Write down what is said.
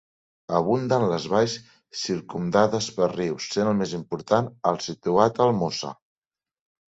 Abunden les valls circumdades per rius, sent el més important el situat al Mosa.